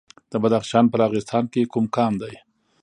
د بدخشان په راغستان کې کوم کان دی؟